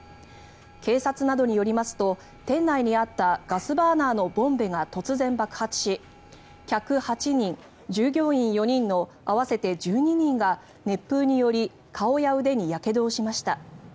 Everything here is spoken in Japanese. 警察などによりますと店内にあったガスバーナーのボンベが突然、爆発し客８人、従業員４人の合わせて１２人が熱風により顔や腕にやけどをしました。